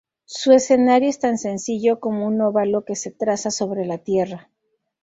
Su escenario es tan sencillo como un óvalo que se traza sobre la tierra.